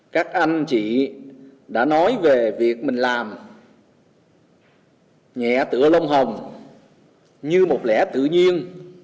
các anh chị đã nói về việc mình làm nhẹ tựa lông hồng như một lẽ tự nhiên